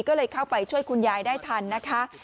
ก็เลยเข้าไปช่วยคุณยายได้ทันนะคะ